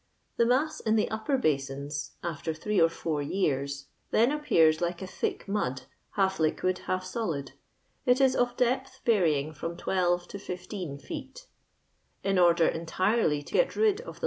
The mass in the imper Muinfl, after three or four yean, then appears Uke a thick mud, half liquid, half soUd; it is of depth vaxyinj; firom 12 to 16 feet. In order entirdy to get rid of thi?